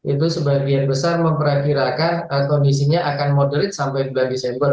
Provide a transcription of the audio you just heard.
itu sebagian besar memperkirakan kondisinya akan moderate sampai dua desember